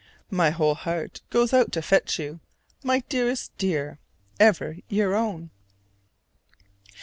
My whole heart goes out to fetch you: my dearest dear, ever your own.